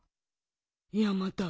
山田。